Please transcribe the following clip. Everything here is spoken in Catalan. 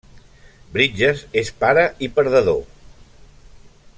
Bridges és pare i perdedor.